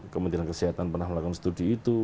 kementerian kesehatan pernah melakukan studi itu